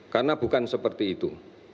karena bukan seperti itu